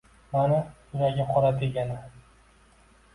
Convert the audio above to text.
Mani, yuragi qora, degan-a